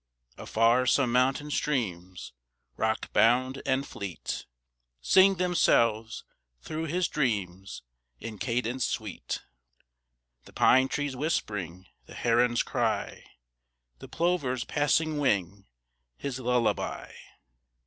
Afar some mountain streams, rockbound and fleet, Sing themselves through his dreams in cadence sweet, The pine trees whispering, the heron's cry, The plover's passing wing, his lullaby.